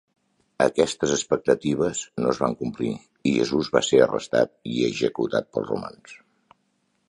Aquestes expectatives no es van complir i Jesús va ser arrestat i executat pels romans.